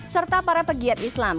serta para pegiat islam